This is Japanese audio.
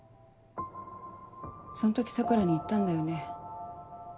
そん時桜に言ったんだよね。